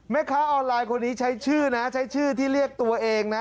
แม่ค้าออนไลน์คนนี้ใช้ชื่อนะใช้ชื่อที่เรียกตัวเองนะ